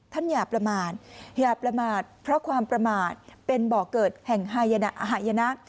อย่าประมาทอย่าประมาทเพราะความประมาทเป็นบ่อเกิดแห่งหายนะ